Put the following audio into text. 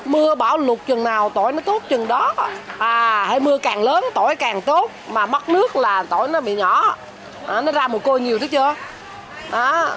mưa bão lụt chừng nào tỏi nó tốt chừng đó hay mưa càng lớn tỏi càng tốt mà mất nước là tỏi nó bị nhỏ nó ra mùi côi nhiều chứ chưa